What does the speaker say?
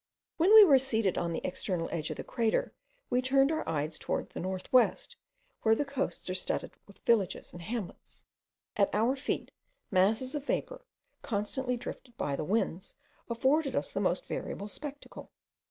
When we were seated on the external edge of the crater, we turned our eyes towards the north west, where the coasts are studded with villages and hamlets. At our feet, masses of vapour, constantly drifted by the winds, afforded us the most variable spectacle.